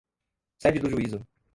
sede do juízo